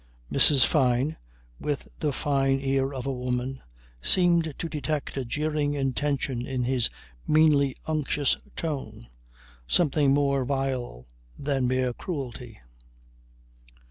Mrs. Fyne, with the fine ear of a woman, seemed to detect a jeering intention in his meanly unctuous tone, something more vile than mere cruelty.